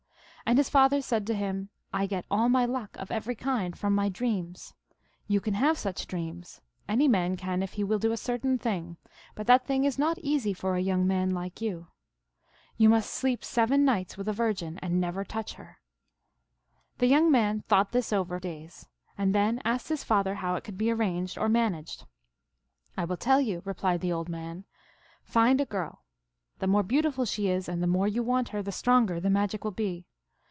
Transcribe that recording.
And his father said to him, I get all my luck of every kind from my dreams. You can have such dreams ; any man can, if he will do a certain thing ; but that thing is not easy for a young man like you. You must sleep seven nights with a virgin, and never touch her. " The young man thought this over for a few days, 344 THE ALGONQUIN LEGENDS. and then asked his father how it could be arranged or managed. " I will tell you, replied the old man. Find a girl ; the more beautiful she is and the more you want her, the stronger the magic will be.